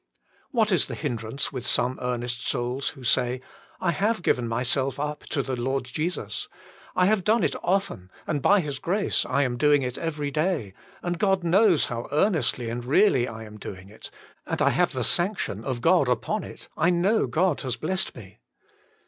What is the hindrance with some earnest souls, who say: <* I have given myself up to the Lord Jesus. I havo done it often, and by His grace I am doing it ■ 22 Jesus Himself. every day, and God knows how ear nestly and really I am doing it, and I have the sanction of God upon it, I know God has blessed me"?